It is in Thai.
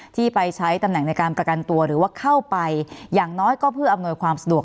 ที่ไปใช้ตำแหน่งในการประกันตัวหรือว่าเข้าไปอย่างน้อยก็เพื่ออำนวยความสะดวก